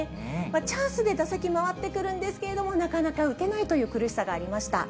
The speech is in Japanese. チャンスで打席回ってくるんですけれども、なかなか打てないという苦しさがありました。